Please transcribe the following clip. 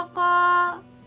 enggak tahu kakak